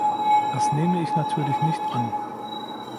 Das nehme ich natürlich nicht an.